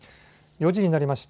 ４時になりました。